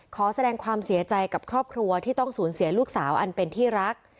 ขอแสดงความเสียใจกับครอบครัวที่ต้องสูญเสียลูกสาวอันเป็นที่รัก